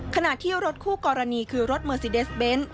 ขณะที่รถคู่กรณีคือรถเมอร์ซีเดสเบนท์